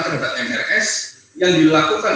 terhadap mrs yang dilakukan